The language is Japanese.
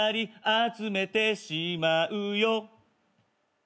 「集めてしまうよ」